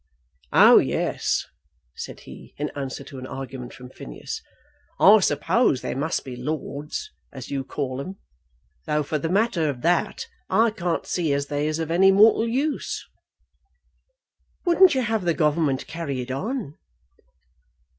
"Oh yes," said he, in answer to an argument from Phineas, "I suppose there must be lords, as you call 'em; though for the matter of that I can't see as they is of any mortal use." "Wouldn't you have the Government carried on?"